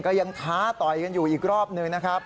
ก็ยังท้าต่อยกันอยู่อีกรอบหนึ่งนะครับ